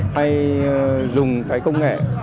hay dùng cái công nghệ